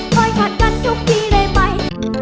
ค่อยผ่านกันทุกที่ได้ไป